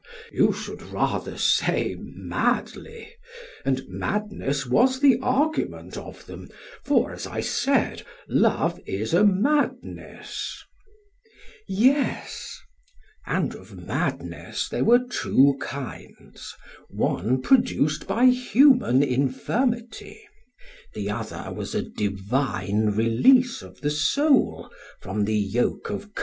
SOCRATES: You should rather say 'madly;' and madness was the argument of them, for, as I said, 'love is a madness.' PHAEDRUS: Yes. SOCRATES: And of madness there were two kinds; one produced by human infirmity, the other was a divine release of the soul from the yoke of custom and convention.